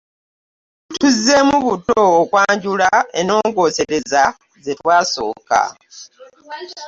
Tuzzeemu buto okwanjula ennongoosereza ze twasooka.